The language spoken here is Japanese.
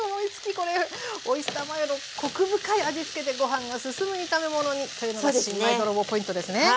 「これオイスターマヨのコク深い味付けでご飯がすすむ炒め物に」というのが新米泥棒ポイントですね。